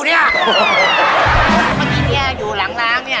เมื่อกี้แอร์อยู่หลังร้านเนี่ย